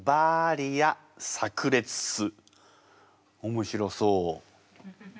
面白そう。